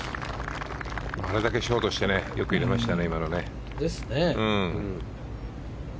あれだけショートしてよく入れましたね。